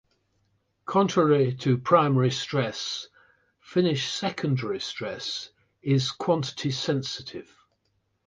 Contrary to primary stress, Finnish secondary stress is quantity sensitive.